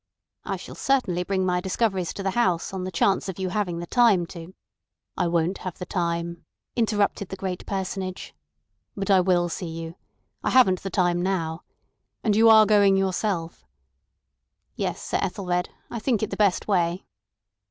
"I shall certainly bring my discoveries to the House on the chance of you having the time to—" "I won't have the time," interrupted the great Personage. "But I will see you. I haven't the time now—And you are going yourself?" "Yes, Sir Ethelred. I think it the best way."